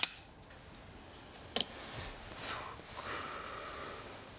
そうか。